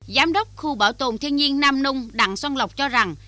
giám đốc khu bảo tồn thiên nhiên nam nung đặng son lộc cho rằng